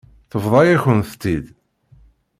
Tebḍa-yakent-tt-id.